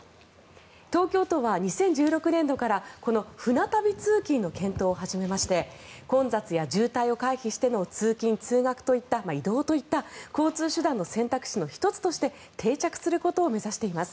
東京都は２０１６年度からこの舟旅通勤の検討を始めまして混雑や渋滞を回避しての通勤・通学といった移動といった交通手段の選択肢の１つとして定着することを目指しています。